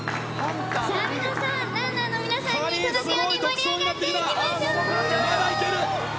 ランナーの皆さんに届くように盛り上がっていきましょう！